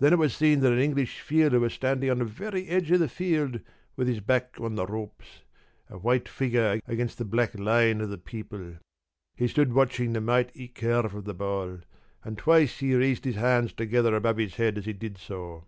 Then it was seen that an English fielder was standing on the very edge of the field with his back on the ropes, a white figure against the black line of the people. He stood watching the mighty curve of the ball, and twice he raised his hands together above his head as he did so.